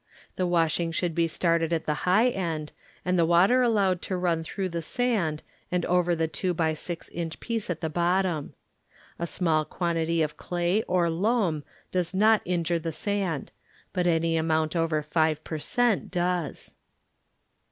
The washing should be started at the high end and the water allowed to run through the sand and over the 2 by 6 inch piece at the bottom. A small quantity of clay or loam does not injure the sand, but any amount over 5 per cent. does.